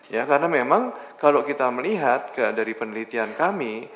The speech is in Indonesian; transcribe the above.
ya karena memang kalau kita melihat dari penelitian kami